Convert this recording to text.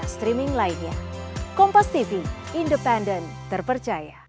sampai jumpa di video selanjutnya